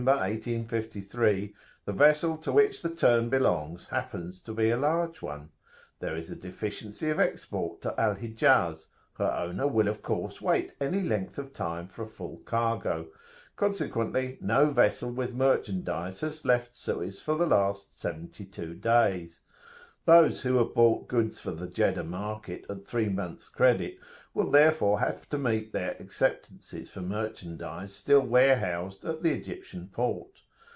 1853), the vessel to which the turn belongs happens to be a large one; there is a deficiency of export to Al Hijaz, her owner will of course wait any length of time for a full cargo; consequently no vessel with merchandise has left Suez for the last seventy two days. Those who have bought goods for the Jeddah market at three months' credit will therefore have to meet their acceptances for merchandise still warehoused at the Egyptian port.